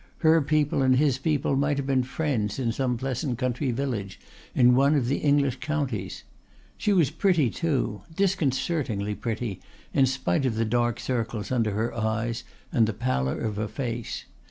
Her people and his people might have been friends in some pleasant country village in one of the English counties. She was pretty, too, disconcertingly pretty, in spite of the dark circles under her eyes and the pallor of her face.